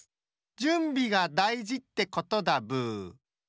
じゅんびがだいじってことだブー。